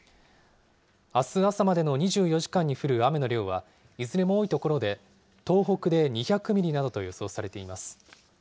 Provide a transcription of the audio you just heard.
あす朝までの２４時間に降る雨の量は、いずれも多い所で、東北で２００ミリなどと予想されています。